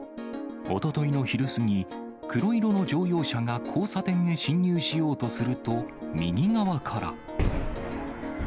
おとといの昼過ぎ、黒色の乗用車が交差点へ進入しようとすると、右側から。